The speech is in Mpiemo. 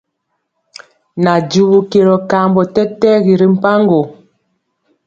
Najubu kelɔ kambɔ tɛtɛgi ri mpaŋgo.